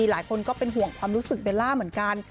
หลายคนก็เป็นห่วงความรู้สึกเบลล่าเหมือนกัน